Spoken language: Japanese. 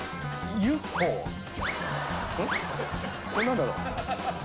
何だろう？